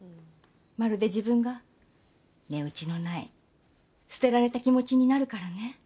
まるで、自分が値打ちのない捨てられた気持ちになるからね。